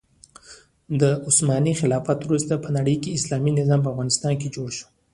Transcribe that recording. د عثماني خلافت وروسته په نړۍکې اسلامي نظام په افغانستان کې جوړ شو.